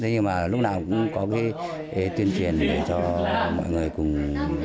thế nhưng mà lúc nào cũng có cái tuyên truyền để cho mọi người cùng